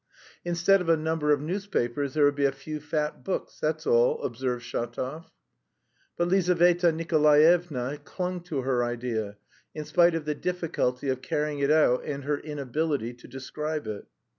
"Instead of a number of newspapers there would be a few fat books, that's all," observed Shatov. But Lizaveta Nikolaevna clung to her idea, in spite of the difficulty of carrying it out and her inability to describe it.